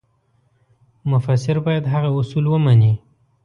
مفسر باید هغه اصول ومني.